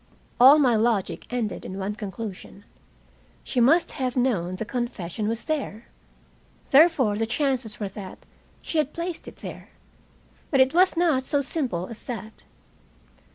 All my logic ended in one conclusion. She must have known the confession was there. Therefore the chances were that she had placed it there. But it was not so simple as that.